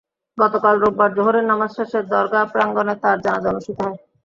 গতকাল রোববার জোহরের নামাজ শেষে দরগাহ প্রাঙ্গণে তাঁর জানাজা অনুষ্ঠিত হয়।